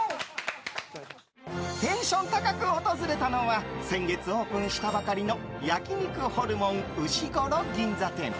テンション高く訪れたのは先月オープンしたばかりの焼肉ホルモンうしごろ銀座店。